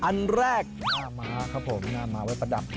อันแรกหน้าม้าครับผมหน้าม้าไว้ประดับ